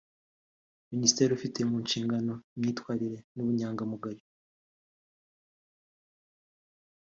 Minisitiri ufite mu nshingano imyitwarire n’ubunyangamugayo